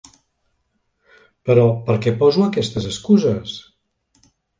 Però per què poso aquestes excuses?